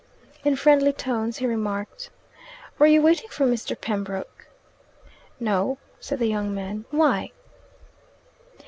In friendly tones he remarked, "Were you waiting for Mr. Pembroke?" "No," said the young man. "Why?"